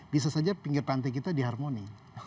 bisa saja pinggir pantai kita diharmoni